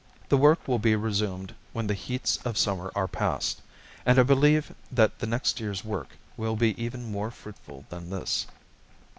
The work will be resumed when the heats of summer are past, and I believe that the next year's work will be even more fruitful than this.